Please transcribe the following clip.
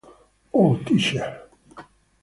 Oh, Teacher!